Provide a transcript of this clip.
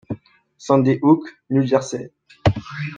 Sandy Hook, New Jersey.